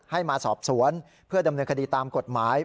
ให้มาสอบสวนเพื่อดำเนินคดีตามกฎหมาย